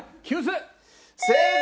正解！